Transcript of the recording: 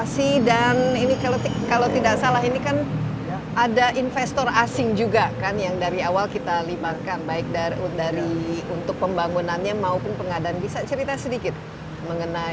sudah empat tahun mrt atau mass rapid transit merupakan bagian dari kehidupan jakarta lebih dari enam puluh juta persen